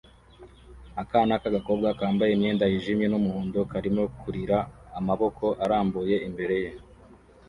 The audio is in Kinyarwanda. Akana k'agakobwa kambaye imyenda yijimye n'umuhondo karimo kurira amaboko arambuye imbere ye